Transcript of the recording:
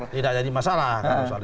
tidak jadi masalah